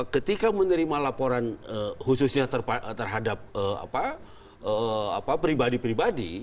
ketika menerima laporan khususnya terhadap pribadi pribadi